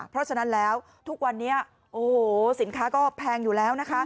เพราะฉะนั้นแล้วทุกวันนี้โอ้โหสินค้าก็แพงอยู่แล้วนะคะ